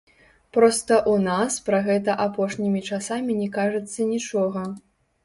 Проста ў нас пра гэта апошнімі часамі не кажацца нічога.